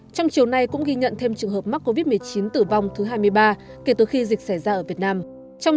trong chiều nay cũng ghi nhận thêm trường hợp mắc covid một mươi chín tử vong thứ hai mươi ba kể từ khi dịch xảy ra ở việt nam